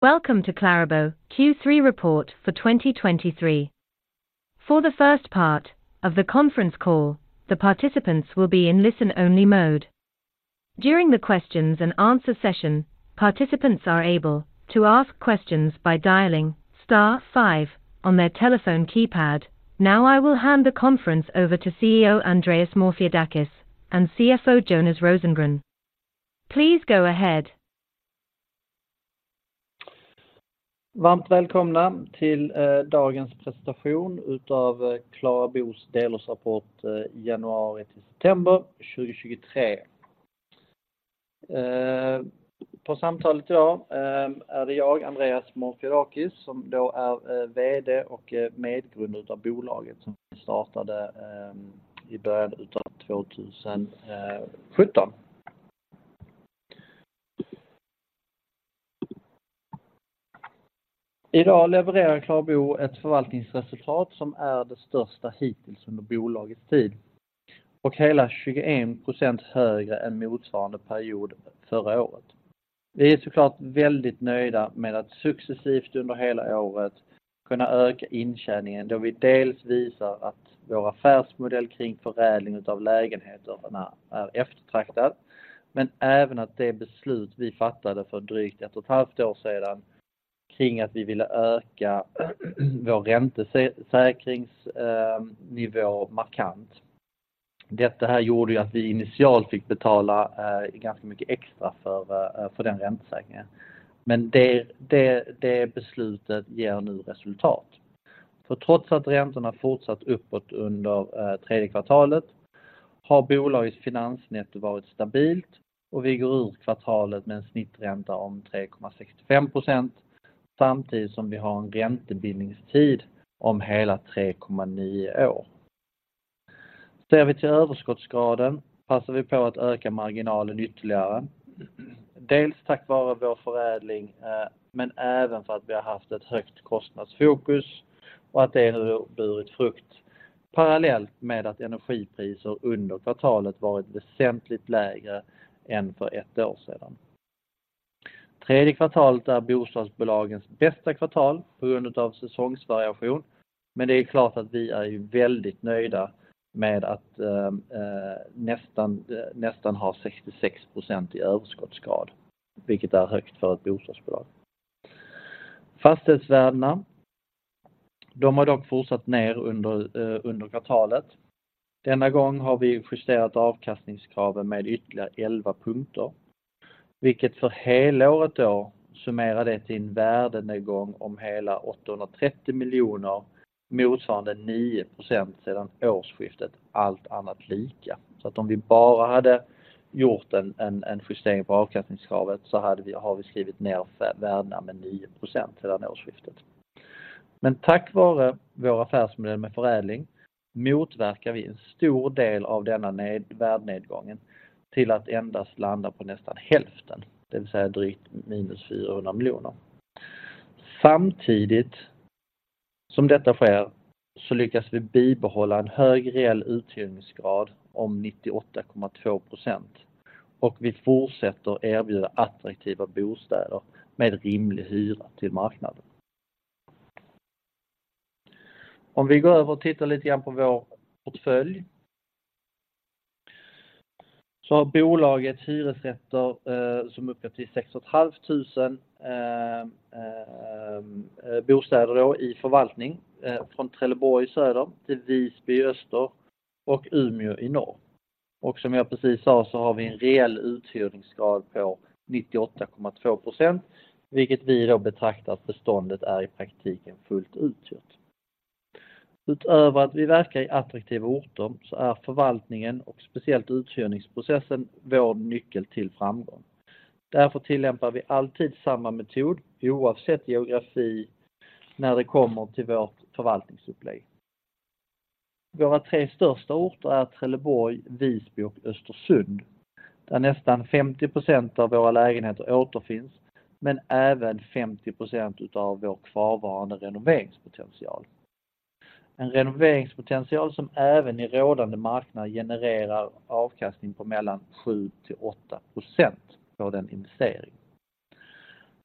Welcome to Claribo Q3 report for 2023. For the first part of the conference call, the participants will be in listen only mode. During the questions and answer session, participants are able to ask questions by dialing star five on their telephone keypad. Now I will hand the conference over to CEO Andreas Morfiadakis and CFO Jonas Rosengren. Please go ahead! Varmt välkomna till dagens presentation av Claribos delårsrapport januari till september 2023. På samtalet idag är det jag, Andreas Morfiadakis, som då är VD och medgrundare av bolaget som startade i början av 2017. Idag levererar Claribo ett förvaltningsresultat som är det största hittills under bolagets tid och hela 21% högre än motsvarande period förra året. Vi är såklart väldigt nöjda med att successivt under hela året kunna öka intjäningen, då vi dels visar att vår affärsmodell kring förädling av lägenheterna är eftertraktad, men även att det beslut vi fattade för drygt ett och ett halvt år sedan kring att vi ville öka vår räntesäkringsnivå markant. Detta här gjorde ju att vi initialt fick betala ganska mycket extra för den räntesäkringen. Men det beslutet ger nu resultat. För trots att räntorna fortsatt uppåt under tredje kvartalet har bolagets finansnetto varit stabilt och vi går ur kvartalet med en snittränta om 3,65%, samtidigt som vi har en räntebindningstid om hela 3,9 år. Ser vi till överskottsgraden passar vi på att öka marginalen ytterligare. Dels tack vare vår förädling, men även för att vi har haft ett högt kostnadsfokus och att det nu burit frukt, parallellt med att energipriser under kvartalet varit väsentligt lägre än för ett år sedan. Tredje kvartalet är bostadsbolagens bästa kvartal på grund av säsongsvariation, men det är klart att vi är väldigt nöjda med att nästan ha 66% i överskottsgrad, vilket är högt för ett bostadsbolag. Fastighetsvärdena, de har dock fortsatt ner under kvartalet. Denna gång har vi justerat avkastningskraven med ytterligare 11 punkter, vilket för helåret då summerade till en värdenedgång om hela 830 miljoner, motsvarande 9% sedan årsskiftet, allt annat lika. Om vi bara hade gjort en justering på avkastningskravet så hade vi skrivit ner värdena med 9% sedan årsskiftet. Men tack vare vår affärsmodell med förädling motverkar vi en stor del av denna värdenedgången till att endast landa på nästan hälften, det vill säga drygt minus 400 miljoner. Samtidigt som detta sker så lyckas vi bibehålla en hög reell uthyrningsgrad om 98,2% och vi fortsätter erbjuda attraktiva bostäder med rimlig hyra till marknaden. Om vi går över och tittar lite grann på vår portfölj, så har bolaget hyresrätter som uppgår till 6 500 bostäder i förvaltning, från Trelleborg i söder till Visby i öster och Umeå i norr. Och som jag precis sa så har vi en reell uthyrningsgrad på 98,2%, vilket vi då betraktar att beståndet är i praktiken fullt uthyrt. Utöver att vi verkar i attraktiva orter så är förvaltningen och speciellt uthyrningsprocessen vår nyckel till framgång. Därför tillämpar vi alltid samma metod, oavsett geografi, när det kommer till vårt förvaltningsupplägg. Våra tre största orter är Trelleborg, Visby och Östersund, där nästan 50% av våra lägenheter återfinns, men även 50% utav vår kvarvarande renoveringspotential. En renoveringspotential som även i rådande marknad genererar avkastning på mellan 7% till 8% på den investering.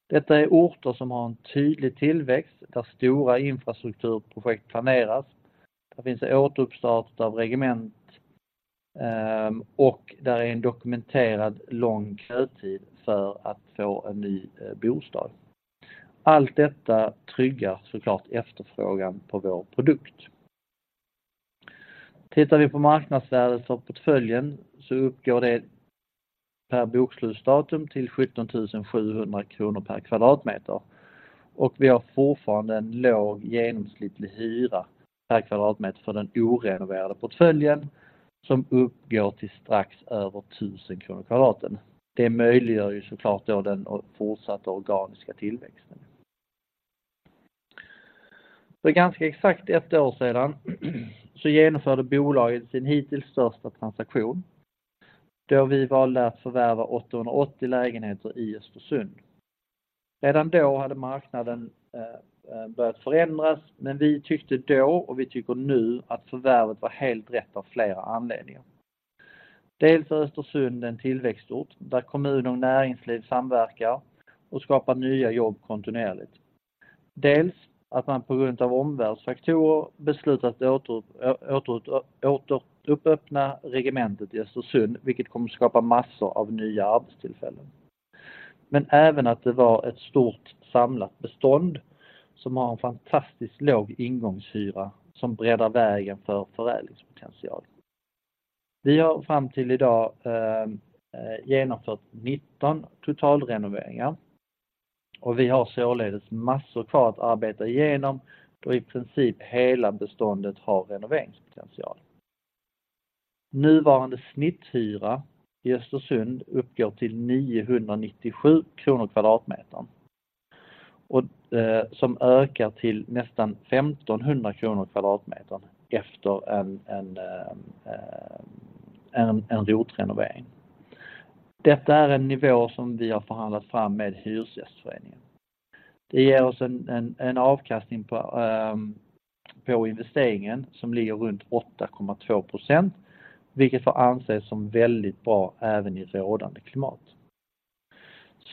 Detta är orter som har en tydlig tillväxt, där stora infrastrukturprojekt planeras. Där finns det återuppstartat av regemente och där är en dokumenterad lång kötid för att få en ny bostad. Allt detta tryggar så klart efterfrågan på vår produkt. Tittar vi på marknadsvärdet för portföljen så uppgår det per bokslutsdatum till 70 000 kronor per kvadratmeter och vi har fortfarande en låg genomsnittlig hyra per kvadratmeter för den orenoverade portföljen, som uppgår till strax över 1 000 kronor kvadraten. Det möjliggör ju så klart då den fortsatta organiska tillväxten. För ganska exakt ett år sedan så genomförde bolaget sin hittills största transaktion, då vi valde att förvärva 880 lägenheter i Östersund. Redan då hade marknaden börjat förändras, men vi tyckte då och vi tycker nu att förvärvet var helt rätt av flera anledningar. Dels är Östersund en tillväxtort där kommun och näringsliv samverkar och skapar nya jobb kontinuerligt. Dels att man på grund av omvärldsfaktorer beslutat att återuppöppna regementet i Östersund, vilket kommer att skapa massor av nya arbetstillfällen. Men även att det var ett stort samlat bestånd som har en fantastiskt låg ingångshyra som breddar vägen för förädlingspotential. Vi har fram till idag genomfört nitton totalrenoveringar och vi har således massor kvar att arbeta igenom, då i princip hela beståndet har renoveringspotential. Nuvarande snitthyra i Östersund uppgår till 997 kronor kvadratmetern, och som ökar till nästan 1500 kronor kvadratmetern efter en rotrenovering. Detta är en nivå som vi har förhandlat fram med Hyresgästföreningen. Det ger oss en avkastning på investeringen som ligger runt 8,2%, vilket får anses som väldigt bra även i ett rådande klimat.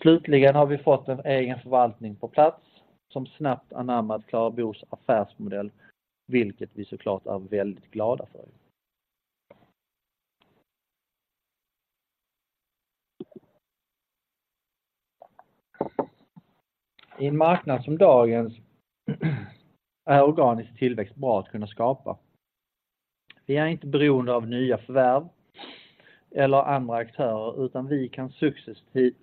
Slutligen har vi fått en egen förvaltning på plats som snabbt anammat Klarabos affärsmodell, vilket vi så klart är väldigt glada för. I en marknad som dagens är organisk tillväxt bra att kunna skapa. Vi är inte beroende av nya förvärv eller andra aktörer, utan vi kan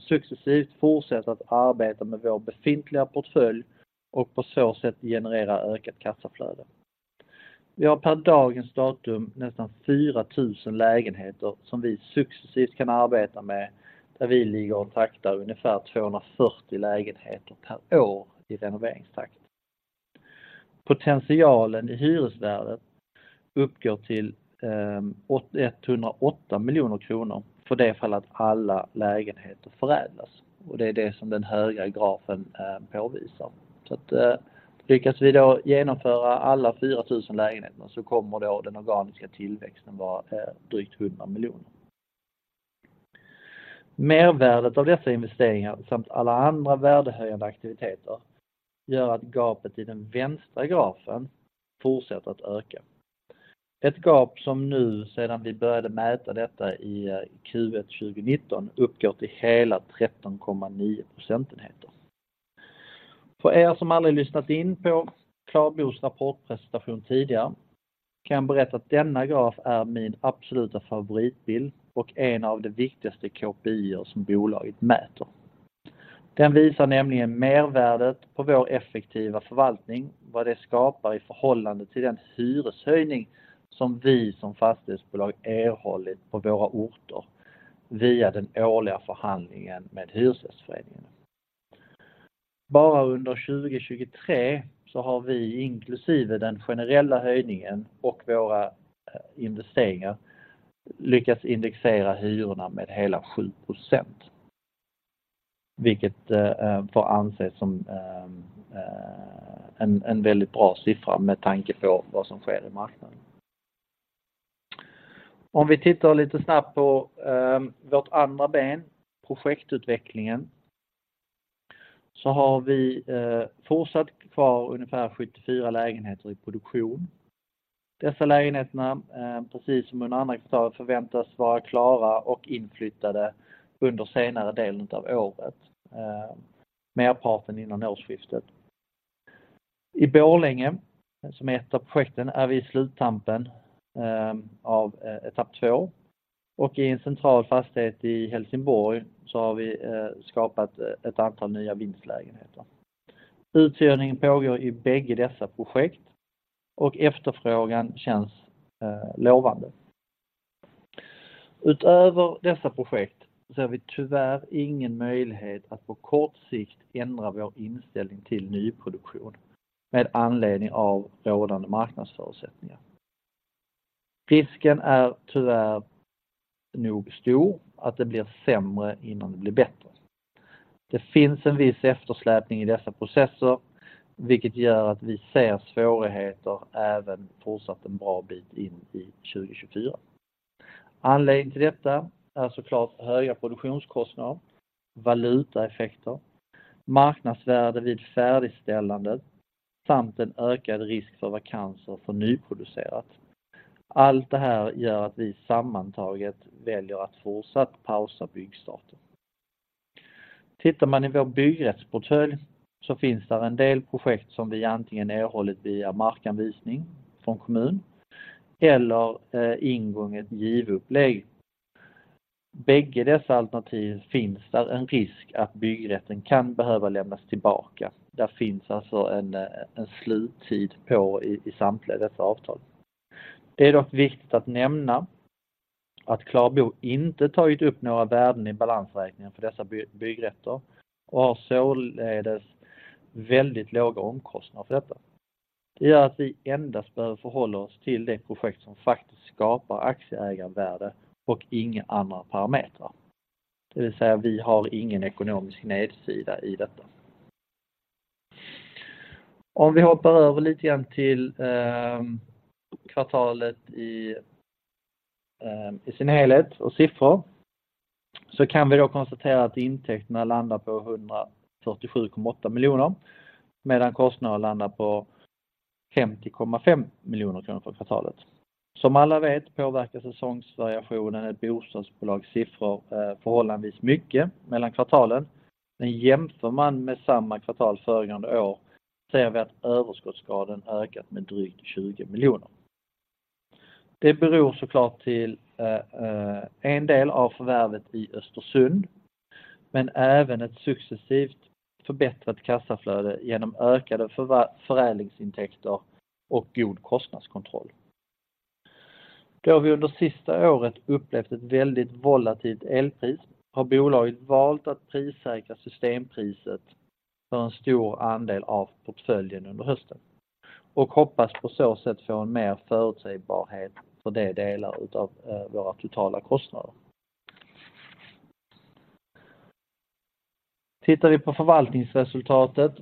successivt fortsätta att arbeta med vår befintliga portfölj och på så sätt generera ökat kassaflöde. Vi har per dagens datum nästan 4,000 lägenheter som vi successivt kan arbeta med, där vi ligger och taktar ungefär 240 lägenheter per år i renoveringstakt. Potentialen i hyresvärdet uppgår till 108 miljoner kronor för det fall att alla lägenheter förädlas. Det är det som den högra grafen påvisar. Lyckas vi då genomföra alla 4,000 lägenheter så kommer den organiska tillväxten vara drygt 100 miljoner. Mervärdet av dessa investeringar samt alla andra värdehöjande aktiviteter gör att gapet i den vänstra grafen fortsätter att öka. Ett gap som nu, sedan vi började mäta detta i Q1 2019, uppgår till hela 13.9 procentenheter. För er som aldrig lyssnat in på Klarabos rapportpresentation tidigare kan jag berätta att denna graf är min absoluta favoritbild och en av de viktigaste KPIerna som bolaget mäter. Den visar nämligen mervärdet på vår effektiva förvaltning, vad det skapar i förhållande till den hyreshöjning som vi som fastighetsbolag erhållit på våra orter via den årliga förhandlingen med Hyresgästföreningen. Bara under 2023 så har vi inklusive den generella höjningen och våra investeringar lyckats indexera hyrorna med hela 7%, vilket får anses som en väldigt bra siffra med tanke på vad som sker i marknaden. Om vi tittar lite snabbt på vårt andra ben, projektutvecklingen, så har vi fortsatt kvar ungefär sjuttiofyra lägenheter i produktion. Dessa lägenheter, precis som under andra kvartalet, förväntas vara klara och inflyttade under senare delen av året. Merparten innan årsskiftet. I Borlänge, som är ett av projekten, är vi i sluttampen av etapp två och i en central fastighet i Helsingborg så har vi skapat ett antal nya vindslägenheter. Uthyrningen pågår i bägge dessa projekt och efterfrågan känns lovande. Utöver dessa projekt ser vi tyvärr ingen möjlighet att på kort sikt ändra vår inställning till nyproduktion med anledning av rådande marknadsförutsättningar. Risken är tyvärr nog stor att det blir sämre innan det blir bättre. Det finns en viss eftersläpning i dessa processer, vilket gör att vi ser svårigheter även fortsatt en bra bit in i 2024. Anledningen till detta är så klart höga produktionskostnader, valutaeffekter, marknadsvärde vid färdigställandet samt en ökad risk för vakanser för nyproducerat. Allt det här gör att vi sammantaget väljer att fortsatt pausa byggstarten. Tittar man i vår byggrättsportfölj så finns där en del projekt som vi antingen erhållit via markanvisning från kommun eller ingånget JV-upplägg. Bägge dessa alternativ finns där en risk att byggrätten kan behöva lämnas tillbaka. Det finns alltså en sluttid på i samtliga dessa avtal. Det är dock viktigt att nämna att Klarabo inte tagit upp några värden i balansräkningen för dessa byggrätter och har således väldigt låga omkostnader för detta. Det gör att vi endast behöver förhålla oss till det projekt som faktiskt skapar aktieägarvärde och inga andra parametrar. Det vill säga, vi har ingen ekonomisk nedsida i detta. Om vi hoppar över lite grann till kvartalet i sin helhet och siffror, så kan vi då konstatera att intäkterna landar på 147,8 miljoner, medan kostnader landar på 50,5 miljoner kronor för kvartalet. Som alla vet påverkar säsongsvariationen ett bostadsbolags siffror förhållandevis mycket mellan kvartalen. Men jämför man med samma kvartal föregående år ser vi att överskottsgraden ökat med drygt 20 miljoner kronor. Det beror så klart till en del av förvärvet i Östersund, men även ett successivt förbättrat kassaflöde genom ökade förädlingsintäkter och god kostnadskontroll. Då vi under sista året upplevt ett väldigt volatilt elpris har bolaget valt att prissäkra systempriset för en stor andel av portföljen under hösten och hoppas på så sätt få en mer förutsägbarhet för de delar av våra totala kostnader. Tittar vi på förvaltningsresultatet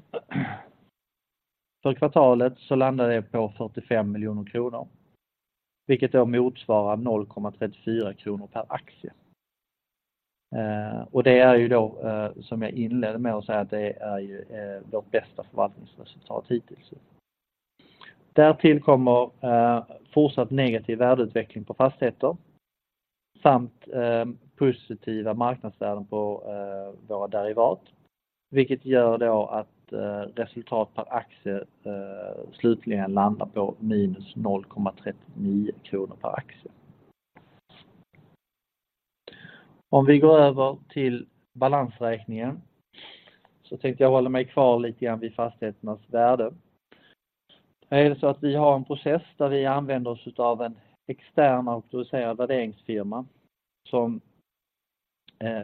för kvartalet så landar det på 45 miljoner kronor, vilket då motsvarar 0,34 kronor per aktie. Det är ju då, som jag inledde med att säga, vårt bästa förvaltningsresultat hittills. Därtill kommer fortsatt negativ värdeutveckling på fastigheter samt positiva marknadsvärden på våra derivat, vilket gör då att resultat per aktie slutligen landar på -0,39 kronor per aktie. Om vi går över till balansräkningen så tänkte jag hålla mig kvar lite grann vid fastigheternas värde. Det är så att vi har en process där vi använder oss utav en extern auktoriserad värderingsfirma, som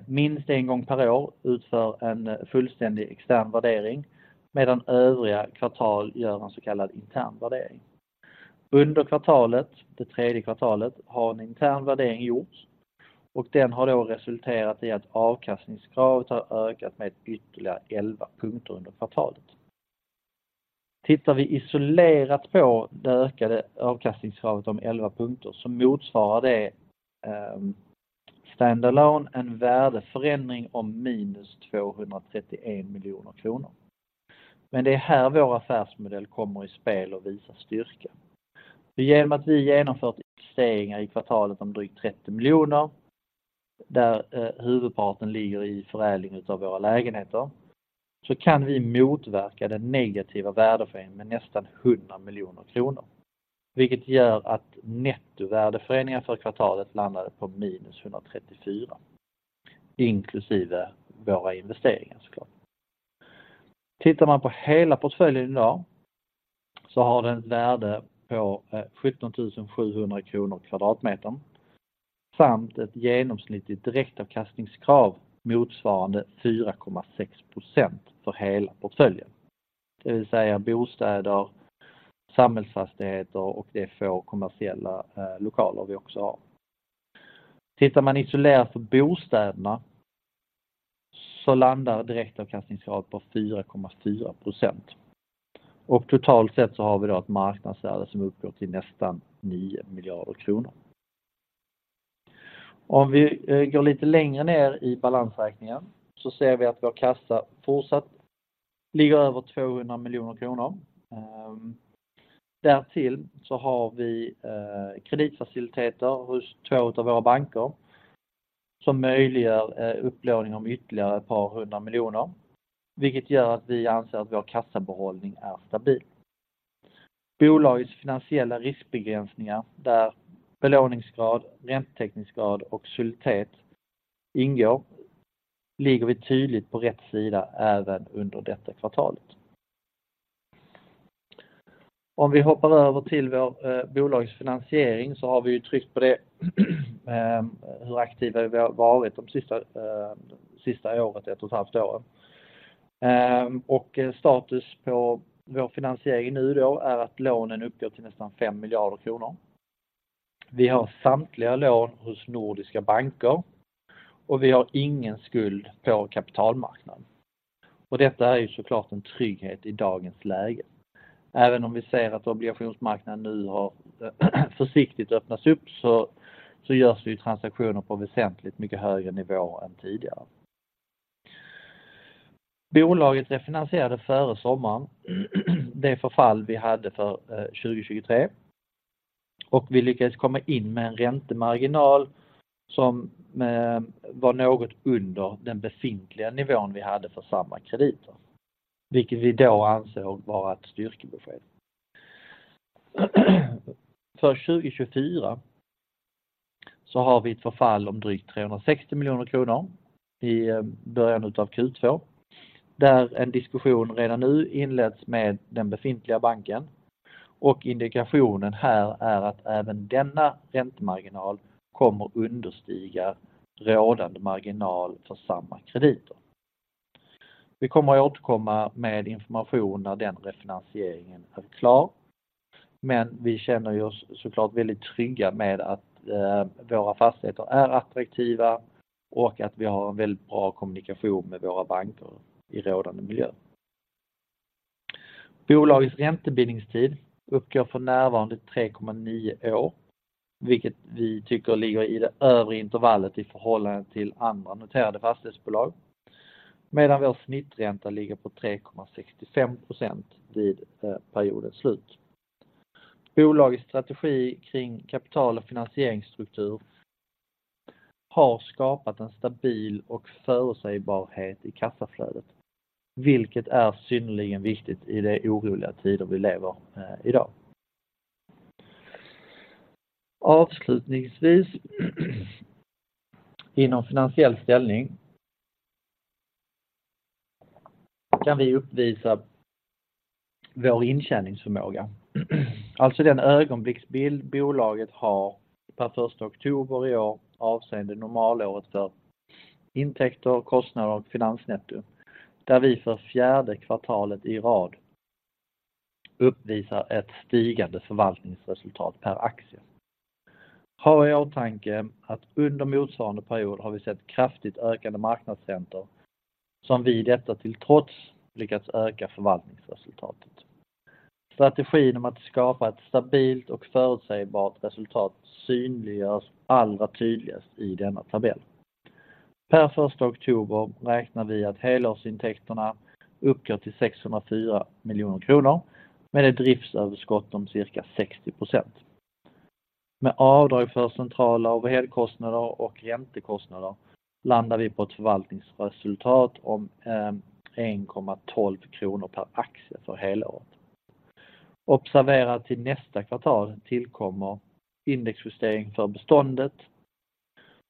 minst en gång per år utför en fullständig extern värdering, medan övriga kvartal gör en så kallad intern värdering. Under kvartalet, det tredje kvartalet, har en intern värdering gjorts och den har då resulterat i att avkastningskravet har ökat med ytterligare 11 punkter under kvartalet. Tittar vi isolerat på det ökade avkastningskravet om 11 punkter, så motsvarar det stand alone en värdeförändring om -231 miljoner kronor. Men det är här vår affärsmodell kommer i spel och visar styrka. Genom att vi genomfört investeringar i kvartalet om drygt 30 miljoner, där huvudparten ligger i förädling av våra lägenheter, så kan vi motverka den negativa värdeförändringen med nästan 100 miljoner kronor, vilket gör att nettovärdeförändringen för kvartalet landade på minus 134, inklusive våra investeringar så klart. Tittar man på hela portföljen idag, så har den ett värde på 71 700 kronor kvadratmetern, samt ett genomsnittligt direktavkastningskrav motsvarande 4,6% för hela portföljen. Det vill säga bostäder, samhällsfastigheter och det få kommersiella lokaler vi också har. Tittar man isolerat för bostäderna, så landar direktavkastningskravet på 4,4%. Totalt sett så har vi då ett marknadsvärde som uppgår till nästan 9 miljarder kronor. Om vi går lite längre ner i balansräkningen så ser vi att vår kassa fortsatt ligger över 200 miljoner kronor. Därtill så har vi kreditfaciliteter hos två utav våra banker som möjliggör upplåning om ytterligare ett par hundra miljoner, vilket gör att vi anser att vår kassabehållning är stabil. Bolagets finansiella riskbegränsningar, där belåningsgrad, räntetäckningsgrad och soliditet ingår, ligger vi tydligt på rätt sida även under detta kvartalet. Om vi hoppar över till vår bolagets finansiering så har vi ju tryckt på det, hur aktiva vi har varit de sista, sista året, ett och ett halvt året. Status på vår finansiering nu då, är att lånen uppgår till nästan 5 miljarder kronor. Vi har samtliga lån hos Nordiska Banker och vi har ingen skuld på kapitalmarknaden. Detta är ju så klart en trygghet i dagens läge. Även om vi ser att obligationsmarknaden nu har försiktigt öppnats upp, så görs det transaktioner på väsentligt mycket högre nivå än tidigare. Bolaget refinansierade före sommaren det förfall vi hade för 2023, och vi lyckades komma in med en räntemarginal som var något under den befintliga nivån vi hade för samma krediter, vilket vi då ansåg vara ett styrkebesked. För 2024 så har vi ett förfall om drygt 360 miljoner kronor i början av Q2, där en diskussion redan nu inletts med den befintliga banken och indikationen här är att även denna räntemarginal kommer understiga rådande marginal för samma krediter. Vi kommer att återkomma med information när den refinansieringen är klar. Men vi känner ju oss såklart väldigt trygga med att våra fastigheter är attraktiva och att vi har en väldigt bra kommunikation med våra banker i rådande miljö. Bolagets räntebindningstid uppgår för närvarande 3,9 år, vilket vi tycker ligger i det övre intervallet i förhållande till andra noterade fastighetsbolag. Medan vår snittränta ligger på 3,65% vid periodens slut. Bolagets strategi kring kapital och finansieringsstruktur har skapat en stabil och förutsägbarhet i kassaflödet, vilket är synnerligen viktigt i det oroliga tider vi lever idag. Avslutningsvis, inom finansiell ställning kan vi uppvisa vår intjäningsförmåga. Alltså, den ögonblicksbild bolaget har per första oktober i år, avseende normalåret för intäkter, kostnader och finansnetto, där vi för fjärde kvartalet i rad uppvisar ett stigande förvaltningsresultat per aktie. Ha i åtanke att under motsvarande period har vi sett kraftigt ökande marknadscenter som vi detta till trots lyckats öka förvaltningsresultatet. Strategin om att skapa ett stabilt och förutsägbart resultat synliggörs allra tydligast i denna tabell. Per första oktober räknar vi att helårsintäkterna uppgår till 604 miljoner kronor med ett driftsöverskott om cirka 60%. Med avdrag för centrala överheds kostnader och räntekostnader landar vi på ett förvaltningsresultat om 1,12 kronor per aktie för helåret. Observera att i nästa kvartal tillkommer indexjustering för beståndet,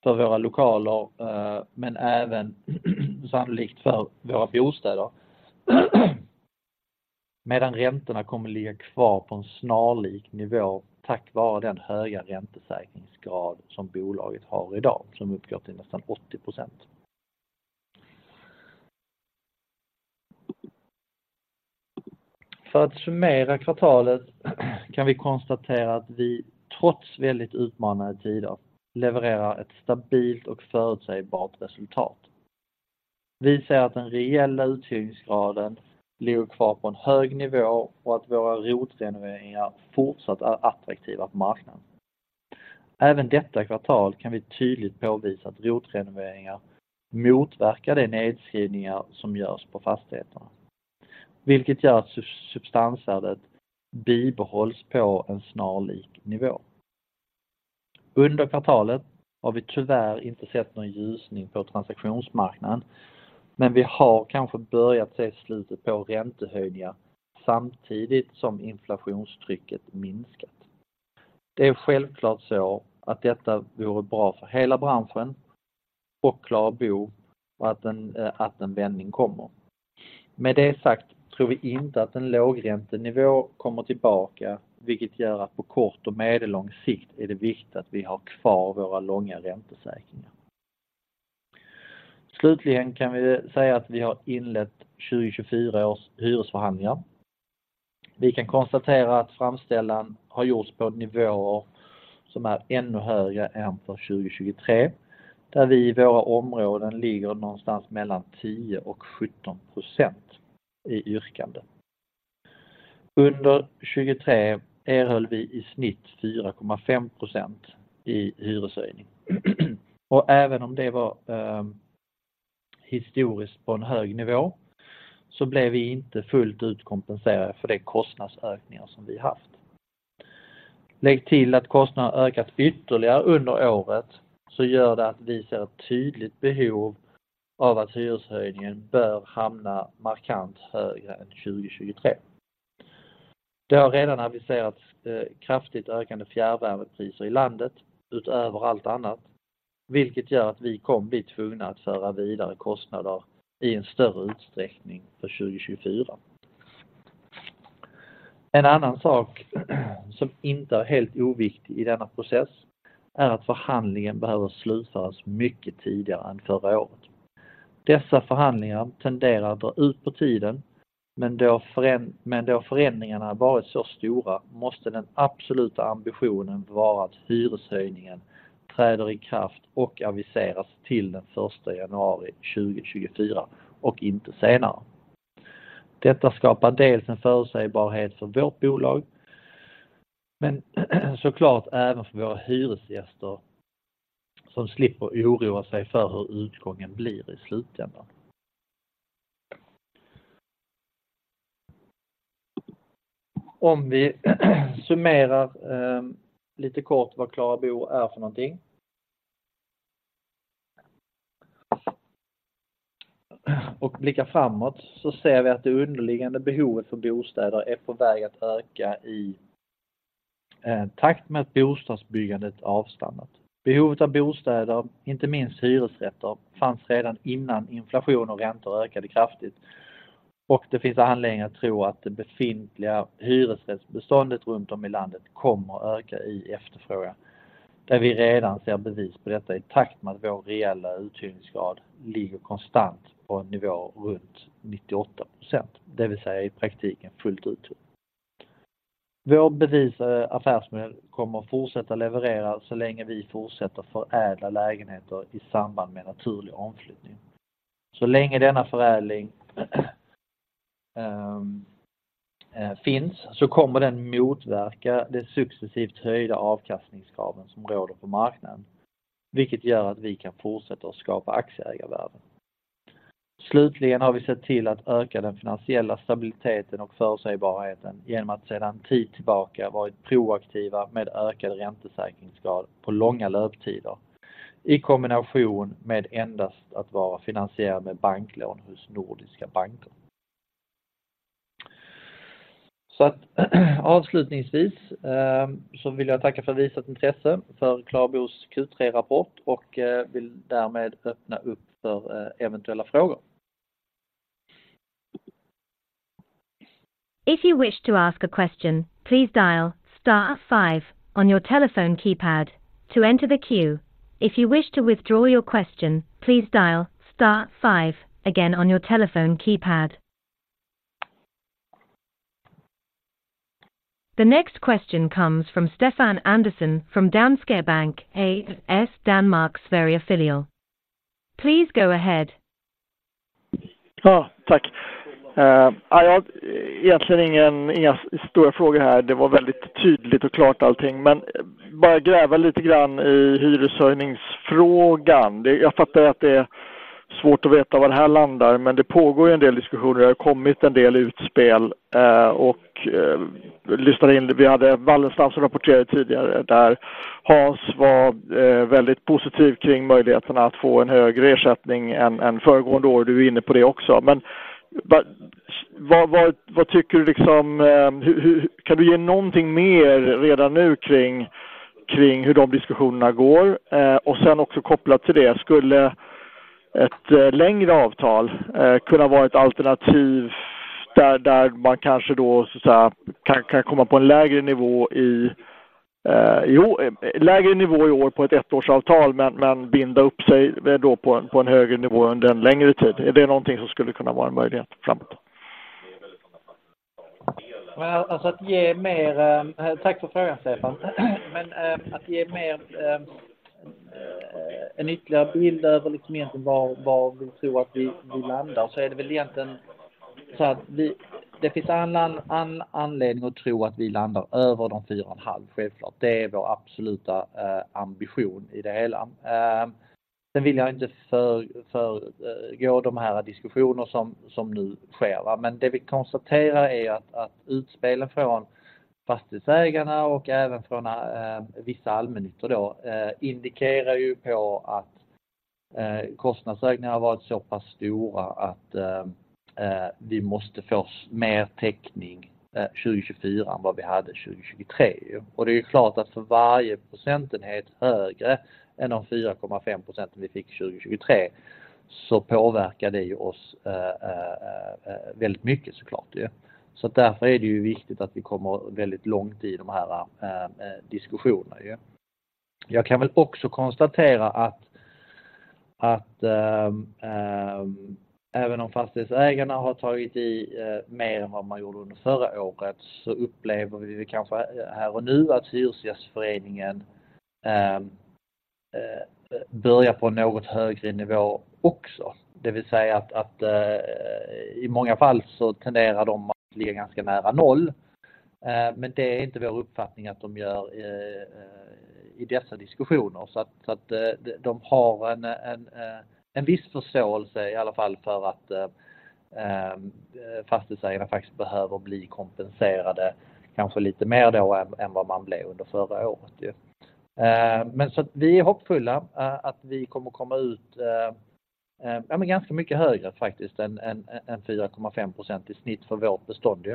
för våra lokaler, men även sannolikt för våra bostäder. Medan räntorna kommer att ligga kvar på en snarlik nivå tack vare den höga räntesäkringsgrad som bolaget har idag, som uppgår till nästan 80%. För att summera kvartalet kan vi konstatera att vi trots väldigt utmanande tider levererar ett stabilt och förutsägbart resultat. Vi ser att den reella uthyrningsgraden ligger kvar på en hög nivå och att våra rotrenoveringar fortsatt är attraktiva på marknaden. Även detta kvartal kan vi tydligt påvisa att rotrenoveringar motverkar de nedskrivningar som görs på fastigheterna, vilket gör att substansvärdet bibehålls på en snarlik nivå. Under kvartalet har vi tyvärr inte sett någon ljusning på transaktionsmarknaden, men vi har kanske börjat se slutet på räntehöjningar samtidigt som inflationstrycket minskat. Det är självklart så att detta vore bra för hela branschen och Klara Bo och att en vändning kommer. Med det sagt, tror vi inte att en lågräntenivå kommer tillbaka, vilket gör att på kort och medellång sikt är det viktigt att vi har kvar våra långa räntesäkringar. Slutligen kan vi säga att vi har inlett 2024 års hyresförhandlingar. Vi kan konstatera att framställan har gjorts på nivåer som är ännu högre än för 2023, där vi i våra områden ligger någonstans mellan 10% och 17% i yrkande. Under 2023 erhöll vi i snitt 4,5% i hyreshöjning. Även om det var historiskt på en hög nivå, så blev vi inte fullt ut kompenserade för de kostnadsökningar som vi haft. Lägg till att kostnaden ökat ytterligare under året, så gör det att vi ser ett tydligt behov av att hyreshöjningen bör hamna markant högre än 2023. Det har redan aviserats kraftigt ökande fjärrvärmepriser i landet, utöver allt annat, vilket gör att vi kommer bli tvungna att föra vidare kostnader i en större utsträckning för 2024. En annan sak som inte är helt oviktig i denna process, är att förhandlingen behöver slutföras mycket tidigare än förra året. Dessa förhandlingar tenderar att dra ut på tiden, men då förändringarna varit så stora, måste den absoluta ambitionen vara att hyreshöjningen träder i kraft och aviseras till den första januari 2024 och inte senare. Detta skapar dels en förutsägbarhet för vårt bolag, men så klart även för våra hyresgäster, som slipper oroa sig för hur utgången blir i slutändan. Om vi summerar lite kort vad Klara Bo är för någonting. Blickar framåt, så ser vi att det underliggande behovet för bostäder är på väg att öka i takt med att bostadsbyggandet avstannat. Behovet av bostäder, inte minst hyresrätter, fanns redan innan inflation och räntor ökade kraftigt och det finns anledning att tro att det befintliga hyresrättsbeståndet runt om i landet kommer öka i efterfrågan, där vi redan ser bevis på detta i takt med att vår reella uthyrningsgrad ligger konstant på en nivå runt 98%, det vill säga i praktiken fullt uthyrd. Vår bevisade affärsmodell kommer att fortsätta leverera så länge vi fortsätter förädla lägenheter i samband med naturlig omflyttning. Så länge denna förädling finns så kommer den motverka det successivt höjda avkastningskraven som råder på marknaden, vilket gör att vi kan fortsätta att skapa aktieägarvärde. Slutligen har vi sett till att öka den finansiella stabiliteten och förutsägbarheten genom att sedan tid tillbaka varit proaktiva med ökad räntesäkringsgrad på långa löptider, i kombination med endast att vara finansierad med banklån hos nordiska banker. Så att avslutningsvis vill jag tacka för visat intresse för Clarbos Q3-rapport och vill därmed öppna upp för eventuella frågor. If you wish to ask a question, please dial star five on your telephone keypad to enter the queue. If you wish to withdraw your question, please dial star five again on your telephone keypad. The next question comes from Stefan Andersson from Danske Bank A/S Danmarks Sverige-filial. Please go ahead. Ja, tack. Ja, jag har egentligen inga stora frågor här. Det var väldigt tydligt och klart allting, men bara gräva lite grann i hyreshöjningsfrågan. Jag fattar att det är svårt att veta var det här landar, men det pågår ju en del diskussioner. Det har kommit en del utspel, och jag lyssnade in. Vi hade Wallenstam som rapporterade tidigare, där Hans var väldigt positiv kring möjligheterna att få en högre ersättning än föregående år. Du är inne på det också, men vad tycker du liksom... Kan du ge någonting mer redan nu kring hur de diskussionerna går? Och sen också kopplat till det, skulle ett längre avtal kunna vara ett alternativ där man kanske då så att säga kan komma på en lägre nivå i lägre nivå i år på ett ettårsavtal, men binda upp sig då på en högre nivå under en längre tid? Är det någonting som skulle kunna vara en möjlighet framåt? Men alltså att ge mer... Tack för frågan, Stefan. Men att ge mer, en ytterligare bild över liksom egentligen var vi tror att vi landar, så är det väl egentligen så att vi, det finns anledning att tro att vi landar över de 4.5%, självklart. Det är vår absoluta ambition i det hela. Sen vill jag inte föregå de här diskussioner som nu sker va. Men det vi konstaterar är att utspel från fastighetsägarna och även från vissa allmännyttor då, indikerar ju på att kostnadsökningar har varit så pass stora att vi måste få mer täckning 2024 än vad vi hade 2023. Och det är klart att för varje procentenhet högre än de 4.5% vi fick 2023, så påverkar det oss väldigt mycket så klart ju. Därför är det viktigt att vi kommer väldigt långt i de här diskussionerna. Jag kan väl också konstatera att även om fastighetsägarna har tagit i mer än vad man gjorde under förra året, så upplever vi kanske här och nu att Hyresgästföreningen börjar på något högre nivå också. Det vill säga att i många fall så tenderar de att ligga ganska nära noll. Men det är inte vår uppfattning att de gör i dessa diskussioner. De har en viss förståelse, i alla fall för att fastighetsägarna faktiskt behöver bli kompenserade, kanske lite mer då än vad man blev under förra året. Men vi är hoppfulla att vi kommer att komma ut ganska mycket högre faktiskt än 4,5% i snitt för vårt bestånd.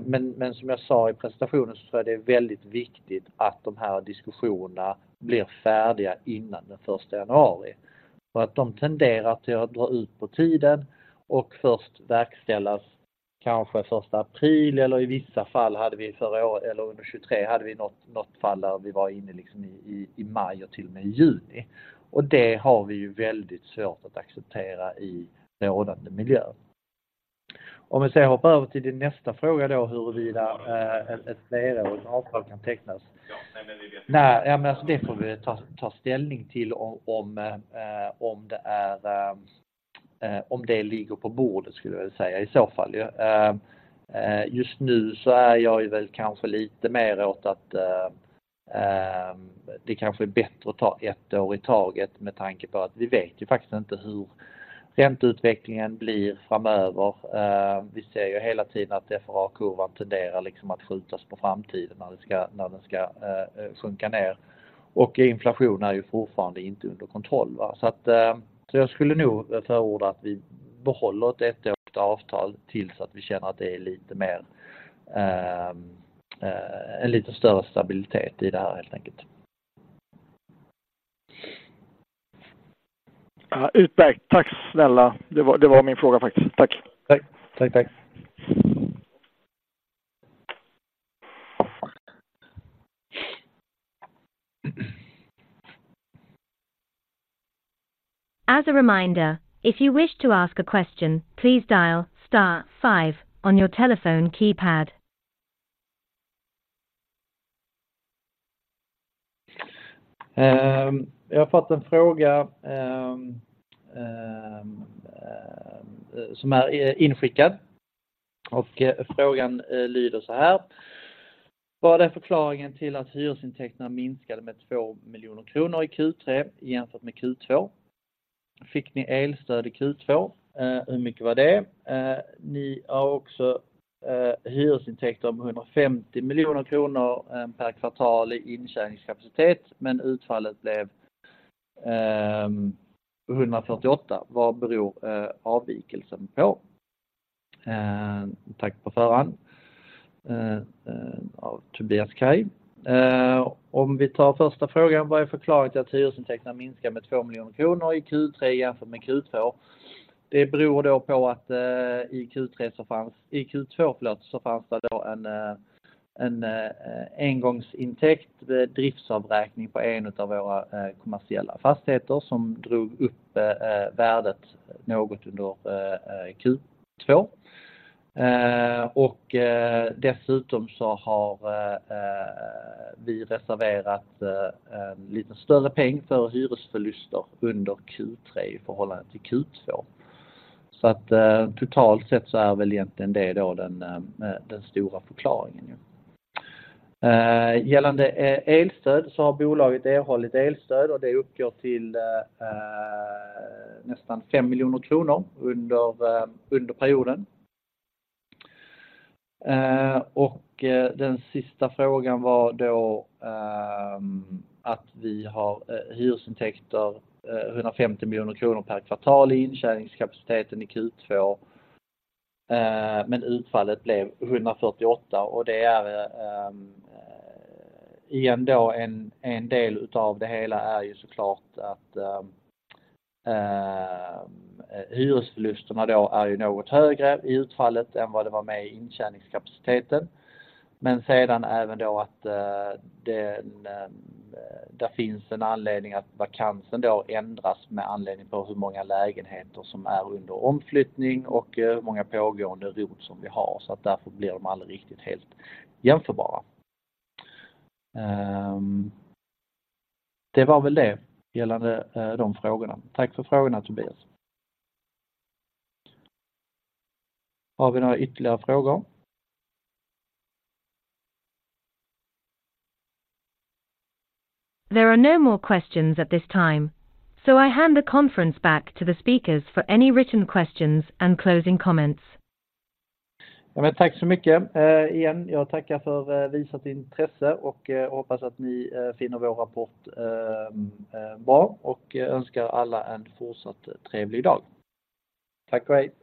Men som jag sa i presentationen så är det väldigt viktigt att de här diskussionerna blir färdiga innan den första januari. Och att de tenderar till att dra ut på tiden och först verkställas kanske första april eller i vissa fall hade vi förra året, eller under tjugotre hade vi något fall där vi var inne liksom i maj och till och med i juni. Och det har vi väldigt svårt att acceptera i rådande miljö. Om vi ska hoppa över till din nästa fråga då, huruvida ett flerårigt avtal kan tecknas. Nej, det får vi ta ställning till om det är, om det ligger på bordet skulle jag väl säga i så fall. Just nu så är jag väl kanske lite mer åt att det kanske är bättre att ta ett år i taget med tanke på att vi vet ju faktiskt inte hur ränteutvecklingen blir framöver. Vi ser ju hela tiden att FRA-kurvan tenderar att skjutas på framtiden när den ska sjunka ner. Inflationen är ju fortfarande inte under kontroll. Så jag skulle nog förorda att vi behåller ett ettårigt avtal tills att vi känner att det är lite mer en lite större stabilitet i det här helt enkelt. Utmärkt! Tack snälla, det var, det var min fråga faktiskt. Tack! Tack, tack, tack. As a reminder, if you wish to ask a question, please dial star five on your telephone keypad. Jag har fått en fråga som är inskickad och frågan lyder såhär: Vad är förklaringen till att hyresintäkterna minskade med 2 miljoner kronor i Q3 jämfört med Q2? Fick ni elstöd i Q2? Hur mycket var det? Ni har också hyresintäkter om 150 miljoner kronor per kvartal i intjäningskapacitet, men utfallet blev 148. Vad beror avvikelsen på? Tack på förhand av Tobias Kaj. Om vi tar första frågan: Vad är förklaringen till att hyresintäkterna minskar med 2 miljoner kronor i Q3 jämfört med Q2? Det beror då på att i Q2, förlåt, så fanns det då en engångsintäkt, driftsavräkning på en av våra kommersiella fastigheter som drog upp värdet något under Q2. Dessutom så har vi reserverat en lite större peng för hyresförluster under Q3 i förhållande till Q2. Så att totalt sett så är väl egentligen det då den stora förklaringen ju. Gällande elstöd så har bolaget erhållit elstöd och det uppgår till nästan 5 miljoner kronor under perioden. Den sista frågan var då att vi har hyresintäkter 150 miljoner kronor per kvartal i intjäningskapaciteten i Q2, men utfallet blev 148 och det är igen då en del utav det hela är ju så klart att hyresförlusterna då är ju något högre i utfallet än vad det var med i intjäningskapaciteten. Men sedan även då att den, där finns en anledning att vakansen då ändras med anledning på hur många lägenheter som är under omflyttning och hur många pågående rot som vi har. Så att därför blir de aldrig riktigt helt jämförbara. Det var väl det gällande de frågorna. Tack för frågorna, Tobias. Har vi några ytterligare frågor? There are no more questions at this time, so I hand the conference back to the speakers for any written questions and closing comments. Ja, men tack så mycket! Igen, jag tackar för visat intresse och hoppas att ni finner vår rapport bra och önskar alla en fortsatt trevlig dag. Tack och hej.